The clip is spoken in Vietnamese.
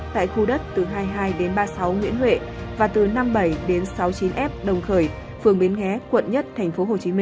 tại khu đất từ hai mươi hai ba mươi sáu nguyễn huệ và từ năm mươi bảy sáu mươi chín f đồng khởi phường biến ghé quận một tp hcm